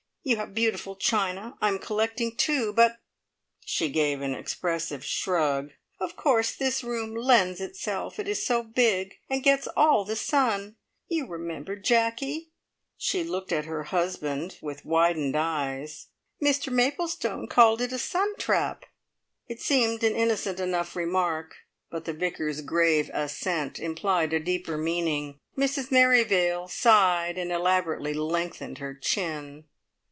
You have beautiful china. I'm collecting, too; but" she gave an expressive shrug. "Of course, this room lends itself; it is so big, and get's all the sun. You remember, Jacky" she looked at her husband with widened eyes "Mr Maplestone called it a `Sun Trap'." It seemed an innocent enough remark, but the Vicar's grave assent implied a deeper meaning. Mrs Merrivale sighed, and elaborately lengthened her chin.